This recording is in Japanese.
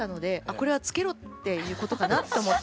これはつけろっていうことかなと思って。